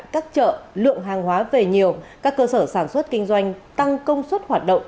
các chợ lượng hàng hóa về nhiều các cơ sở sản xuất kinh doanh tăng công suất hoạt động